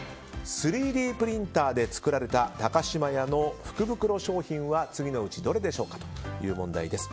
３Ｄプリンターで作られた高島屋の福袋商品は次のうちどれでしょうかという問題です。